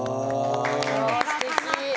夢がかなった！